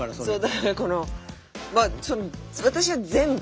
私は全部。